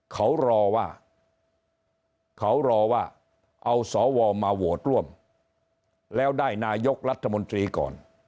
เขารอว่าเขารอว่าเอาสวมาโหวตร่วมแล้วได้นายกรัฐมนตรีก่อน